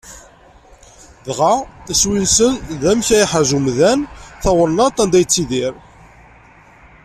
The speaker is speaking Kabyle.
Dɣa, iswi-nsen d amek ara yeḥrez umdan tawennaḍt anda yettidir.